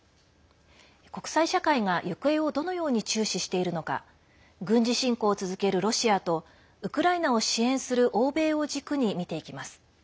国際社会が行方をどのように注視しているのか軍事侵攻を続けるロシアとウクライナを支援する欧米を軸に見ていきます。